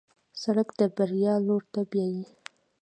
سړک د بریا لور ته بیایي.